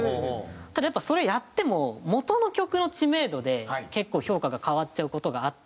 ただやっぱそれやっても元の曲の知名度で結構評価が変わっちゃう事があって。